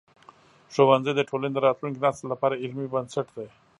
ښوونځی د ټولنې د راتلونکي نسل لپاره علمي بنسټ دی.